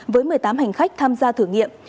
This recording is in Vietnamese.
với một mươi tám hành khách tham gia thử nghiệm